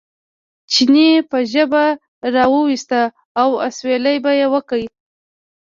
چیني به ژبه را وویسته او اسوېلی به یې وکړ.